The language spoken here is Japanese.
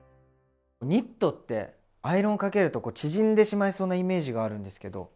ニットってアイロンをかけるとこう縮んでしまいそうなイメージがあるんですけど。